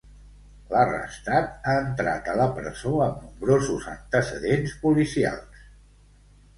L'arrestat ha entrat a la presó amb nombrosos antecedents policials.